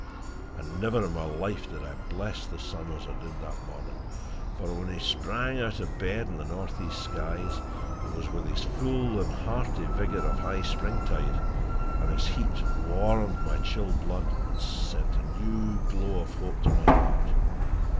And never in my life did I bless the sun as I did that morning, for when he sprang out of bed in the northeast skies, it was with his full and hearty vigour of high springtide, and his heat warmed my chilled blood and sent a new glow of hope to my heart.